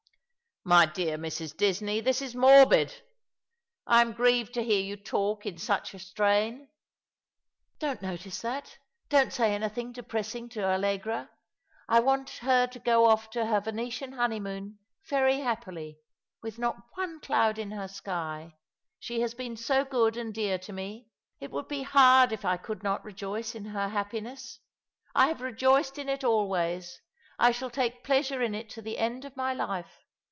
" My dear Mrs. Disney, this is morbid. I am grieved to hear you talk in such a strain." "Don't notice that. Don't say anything depressing to Allegra. I want her to go off to her Venetian honeymoon very happily — with not one cloud in her sky. She has been 80 good and dear to me. It would be hard if I could not rejoice in her happiness. I have rejoiced in it always; I shall take pleasure in it to the end of my life.